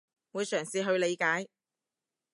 會嘗試去理解